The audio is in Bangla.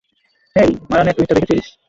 হেই, মারানের টুইটটা দেখেছিস?